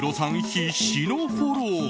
必死のフォロー。